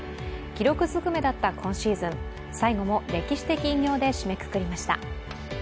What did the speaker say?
記録ずくめだった今シーズン、最後も、歴史的偉業で締めくくりました。